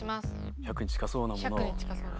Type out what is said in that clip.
１００に近そうなもの。